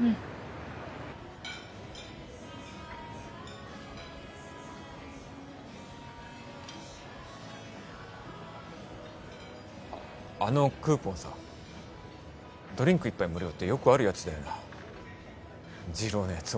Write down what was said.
うんあのクーポンさドリンク１杯無料ってよくあるやつだよな次郎のやつ